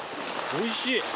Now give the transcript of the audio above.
おいしい。